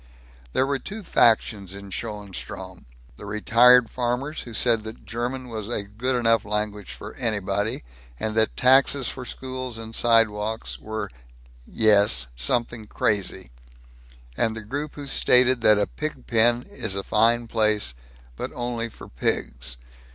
There were two factions in Schoenstrom: the retired farmers who said that German was a good enough language for anybody, and that taxes for schools and sidewalks were yes something crazy; and the group who stated that a pig pen is a fine place, but only for pigs.